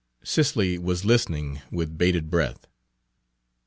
Cicely was listening with bated breath.